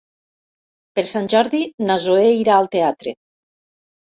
Per Sant Jordi na Zoè irà al teatre.